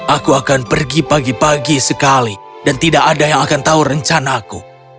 aku akan pergi pagi pagi sekali dan tidak ada yang akan tahu rencanaku